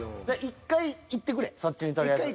１回行ってくれそっちにとりあえず。